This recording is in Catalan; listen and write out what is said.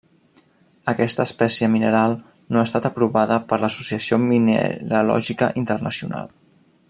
Aquesta espècie mineral no ha estat aprovada per l'Associació Mineralògica Internacional.